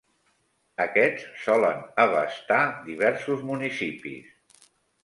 Aquests solen abastar diversos municipis.